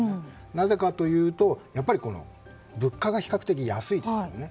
なぜかというと物価が比較的安いですよね。